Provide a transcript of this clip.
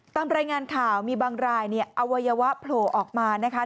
ตามรายงานข่าวมีบางรายเนี่ยอวัยวะโผล่ออกมานะคะ